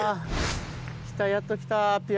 来たやっと来たＰＲ